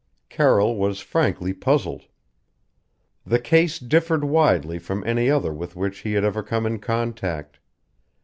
Carroll was frankly puzzled. The case differed widely from any other with which he had ever come in contact.